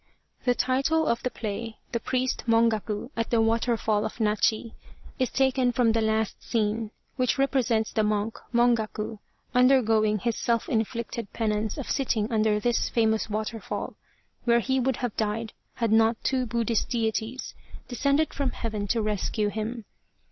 The title of the play, The Priest Mongaku at the Water fall of Nachi, is taken from the last scene, which represents the monk Mongaku undergoing his self inflicted penance of sitting under this famous waterfall where he would have died had not two Buddhist deities descended from Heaven to rescue him.